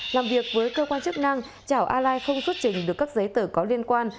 làm việc với cơ quan chức năng trảo a lai không xuất trình được các giấy tờ có liên quan